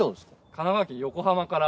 神奈川県横浜から。